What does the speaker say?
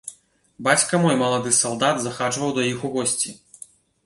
Бацька мой, малады салдат, захаджваў да іх у госці.